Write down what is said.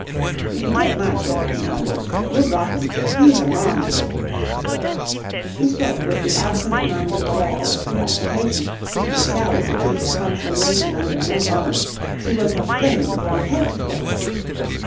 "If you take my tip," he mumbled, "you'll drop him. He's a wrong 'un." He spoke with the absent minded drawl of preoccupation, and Sally could keep the conflagration under no longer. She was aflame from head to foot.